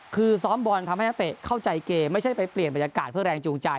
คือซ้อมบอลทำให้นักเตะเข้าใจเกมไม่ใช่ไปเปลี่ยนบรรยากาศเพื่อแรงจูงใจ